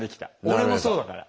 俺もそうだから。